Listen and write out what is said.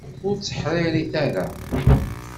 Ur tteḥṛiṛit ara!